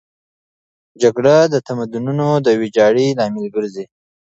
جګړه د تمدنونو د ویجاړۍ لامل ګرځي.